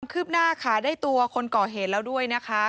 คืบหน้าค่ะได้ตัวคนก่อเหตุแล้วด้วยนะคะ